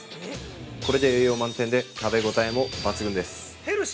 これで栄養満点で食べ応えも抜群です。